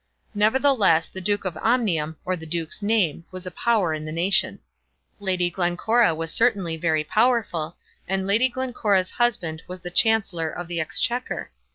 Nevertheless, the Duke of Omnium, or the duke's name, was a power in the nation. Lady Glencora was certainly very powerful, and Lady Glencora's husband was Chancellor of the Exchequer.